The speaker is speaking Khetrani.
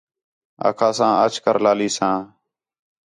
آکھاس آں اَچ کر لالیساں